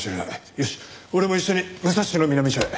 よし俺も一緒に武蔵野南署へ。